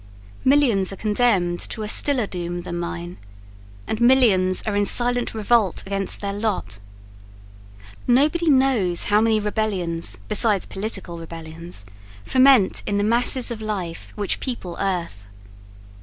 Millions are condemned to a stiller doom than mine, and millions are in silent revolt against their lot. Nobody knows how many rebellions besides political rebellions ferment in the masses of life which people earth.